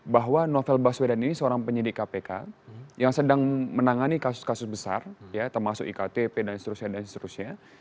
bahwa novel baswedan ini seorang penyidik kpk yang sedang menangani kasus kasus besar ya termasuk iktp dan seterusnya